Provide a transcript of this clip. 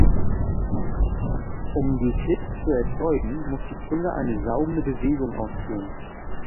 Um die Klicks zu erzeugen, muss die Zunge eine saugende Bewegung ausführen.